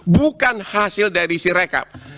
bukan hasil dari sirekap